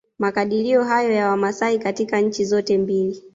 Makadirio hayo ya Wamasai katika nchi zote mbili